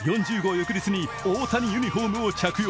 翌日に大谷ユニフォームを着用。